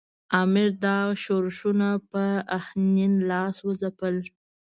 امیر دا ښورښونه په آهنین لاس وځپل.